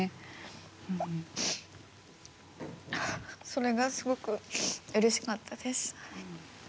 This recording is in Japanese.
それがすごくうれしかったです。